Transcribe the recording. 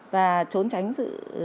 và trốn tránh sự